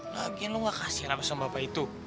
lagian lu gak kasih apa apa sama bapak itu